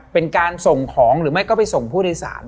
เป็นการส่งของหรือไม่ก็ไปส่งผู้โดยสาร